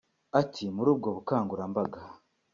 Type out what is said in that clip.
Ati “Muri ubwo bukangurambaga